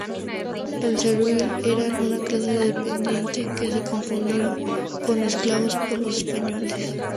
El servil eran una clase dependiente que se confundió con esclavos por los españoles.